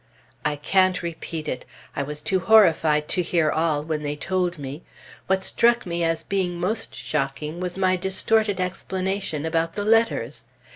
I can't repeat it. I was too horrified to hear all, when they told me. What struck me as being most shocking was my distorted explanation about the letters.